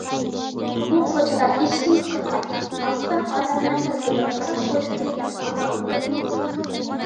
ئۇ كوچىدا ھېچكىمگە قارىماي ئىتتىك ماڭسا، ئادەملەر بىزگە بىر قاراپ قويسىدى! دەپ ئارمان قىلىدۇ.